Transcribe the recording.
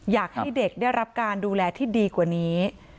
อยากให้เด็กได้รับการดูแลที่ดีกว่านี้